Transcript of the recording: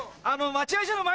待合所の前？